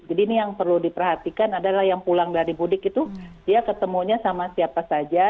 jadi ini yang perlu diperhatikan adalah yang pulang dari budik itu dia ketemunya sama siapa saja